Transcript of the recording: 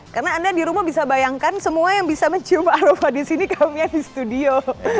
karena anda di rumah bisa bayangkan semua yang bisa mencium aroma di sini kami yang di studio